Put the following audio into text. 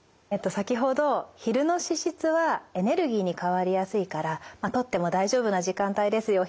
先ほど昼の脂質はエネルギーに変わりやすいからとっても大丈夫な時間帯ですよ